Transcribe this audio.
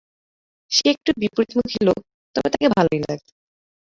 সে একটু বিপরীতমুখী লোক, তবে তাকে ভালোই লাগে।